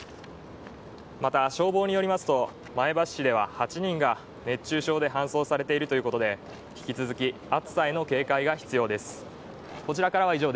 また、消防によりますと前橋市では８人が熱中症で搬送されているということで、引き続き、暑さへの警戒が必要です